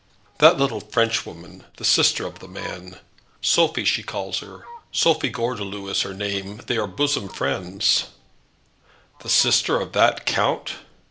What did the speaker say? "That little Frenchwoman, the sister of the man; Sophie she calls her. Sophie Gordeloup is her name. They are bosom friends." "The sister of that count?"